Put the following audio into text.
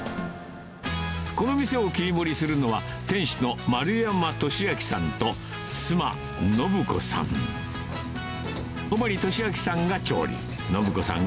この店を切り盛りするのは、店主の丸山利昭さんと、妻、申子さん。